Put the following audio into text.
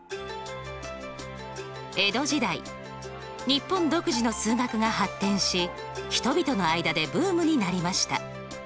日本独自の数学が発展し人々の間でブームになりました。